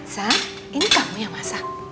sa ini kamu yang masak